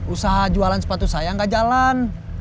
usaha jualan sepatu saya nggak jalan